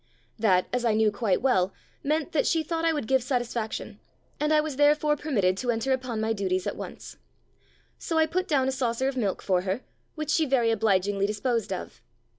That, as I knew quite well, meant that she thought I would give satisfaction, and I was therefore permitted to enter upon my duties at once. So I put down a saucer of milk for her, which she very obligingly disposed of.